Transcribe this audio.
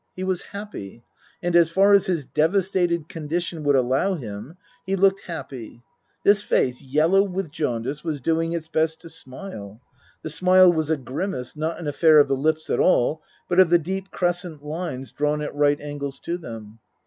He was happy. And as far as his devastated condition would allow him, he looked happy. This face, yellow with jaundice, was doing its best to smile. The smile was a grimace, not an affair of the lips at all, but of the deep crescent lines drawn at right angles to them.